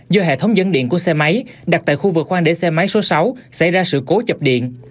do hệ thống dấn điện của xe máy đặt tại khu vực khoan đế xe máy số sáu xảy ra sự cố chập điện